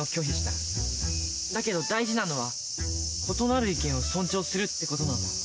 だけど大事なのは異なる意見を尊重するって事なんだ。